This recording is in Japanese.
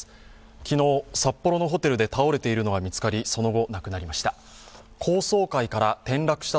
昨日、札幌のホテルで倒れているのが見つかり、その後亡くなりました。